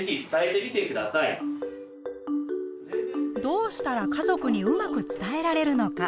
どうしたら家族にうまく伝えられるのか。